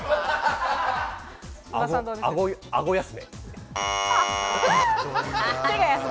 あご休め。